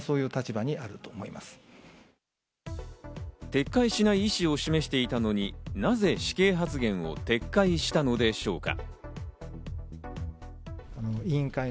撤回しない意思を示していたのに、なぜ死刑発言を撤回したのでしょうか？